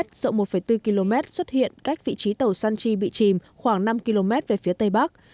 rộng một bốn km xuất hiện cách vị trí tàu san chi bị chìm khoảng năm km về phía tây bắc